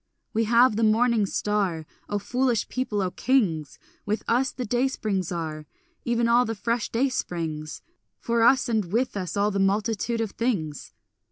We have the morning star, O foolish people, O kings! With us the day springs are, Even all the fresh day springs; For us, and with us, all the multitudes of things.